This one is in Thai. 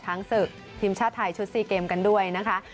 ช้างสื่อทีมชาติไทยชุด๔เกมกันด้วยนะคะ